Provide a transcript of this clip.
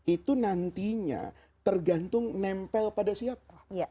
itu nantinya tergantung nempel pada siapa